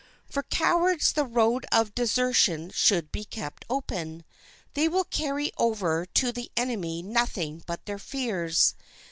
For cowards the road of desertion should be kept open. They will carry over to the enemy nothing but their fears.